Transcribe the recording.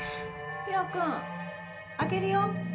ヒロくん開けるよ。